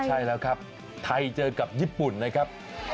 ใช่แล้วครับไทยเจอกับญี่ปุ่นนะครับ